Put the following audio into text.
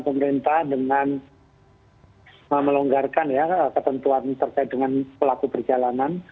kita melakukan pemerintah dengan melonggarkan ketentuan terkait dengan pelaku perjalanan